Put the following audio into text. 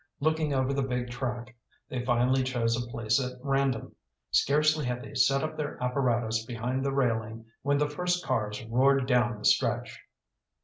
Looking over the big track, they finally chose a place at random. Scarcely had they set up their apparatus behind the railing when the first cars roared down the stretch.